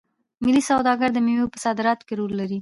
ملي سوداګر د میوو په صادراتو کې رول لري.